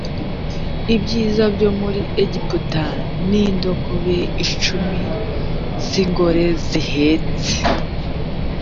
ibyiza byo muri egiputa n indogobe icumi z ingore zihetse